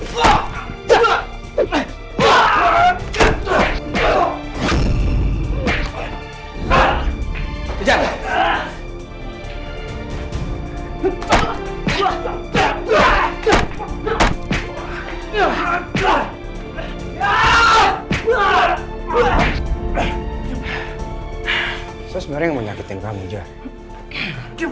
saya sebenarnya yang mau menyakitkan kamu jar